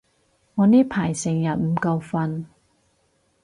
我呢排成日唔夠瞓